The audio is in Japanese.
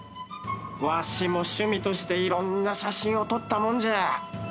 わしも趣味として色んな写真を撮ったもんじゃ。